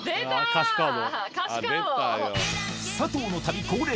佐藤の旅恒例